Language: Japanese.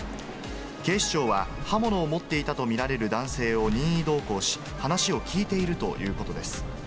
警視庁は、刃物を持っていたと見られる男性を任意同行し、話を聴いているということです。